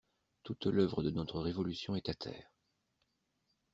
Toute l'œuvre de notre Révolution est à terre.